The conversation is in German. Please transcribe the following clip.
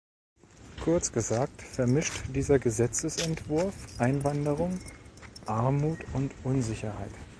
Kurz gesagt vermischt dieser Gesetzesentwurf Einwanderung, Armut und Unsicherheit.